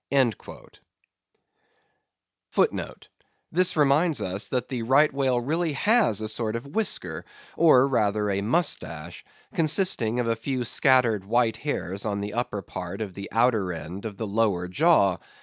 *This reminds us that the Right Whale really has a sort of whisker, or rather a moustache, consisting of a few scattered white hairs on the upper part of the outer end of the lower jaw.